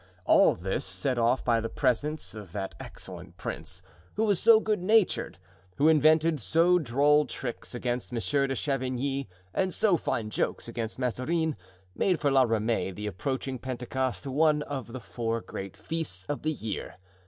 All this, set off by the presence of that excellent prince, who was so good natured, who invented so droll tricks against Monsieur de Chavigny and so fine jokes against Mazarin, made for La Ramee the approaching Pentecost one of the four great feasts of the year.